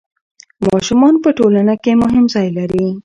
ماشومان په ټولنه کې مهم ځای لري.